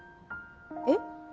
えっ？